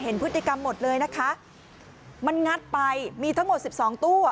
เห็นพฤติกรรมหมดเลยนะคะมันงัดไปมีทั้งหมดสิบสองตู้อ่ะ